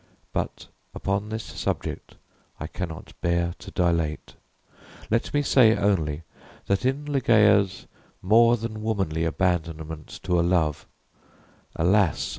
But upon this subject I cannot bear to dilate. Let me say only, that in Ligeia's more than womanly abandonment to a love, alas!